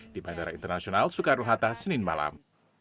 di bandara internasional soekaruhata senin malam